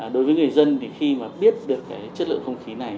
đối với người dân thì khi biết được chất lượng không khí này